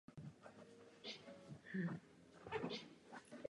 Vidí i nad sebe a dokonce i za sebe.